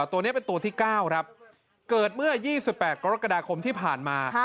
ตัวเนี้ยเป็นตัวที่เก้าครับเกิดเมื่อยี่สิบแปดกรกฎาคมที่ผ่านมา